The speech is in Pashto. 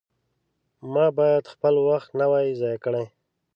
ما باید خپل وخت نه وای ضایع کړی.